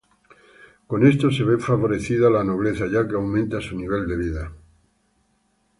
Con esto se ve favorecida la nobleza ya que aumenta su nivel de vida.